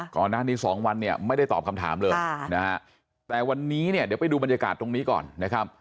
ก่อนหน้านี้๒วันเนี่ยไม่ได้ตอบคำถามเลยนะฮะแต่วันนี้เนี่ยเดี๋ยวไปดูบรรยากาศตรงนี้ก่อนนะครับ